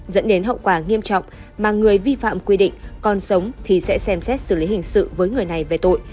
dẫn đến hậu quả nghiêm trọng mà người vi phạm quy định còn sống thì sẽ xem xét xử lý hình sự với người này về tội